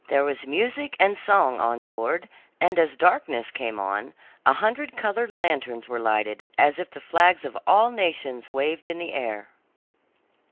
There was music and song on board, and as darkness came on, a hundred colored lanterns were lighted, as if the flags of all nations waved in the air.